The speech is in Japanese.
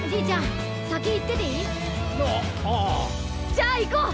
じゃあいこう！